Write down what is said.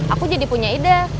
aku jadi punya ide